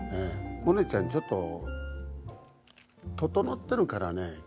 モネちゃん、ちょっと整ってるからね。